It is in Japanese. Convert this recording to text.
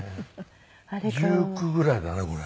１９ぐらいだねこれ。